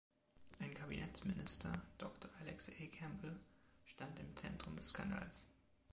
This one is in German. Ein Kabinettsminister, Doktor Alex A. Campbell, stand im Zentrum des Skandals.